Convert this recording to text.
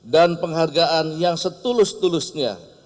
dan penghargaan yang setulus tulusnya